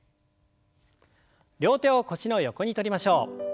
両手を腰の横にとりましょう。